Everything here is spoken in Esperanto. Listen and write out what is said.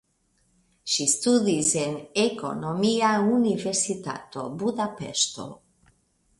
Ŝi studis en Ekonomia Universitato (Budapeŝto).